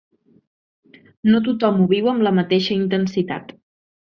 No tothom ho viu amb la mateixa intensitat.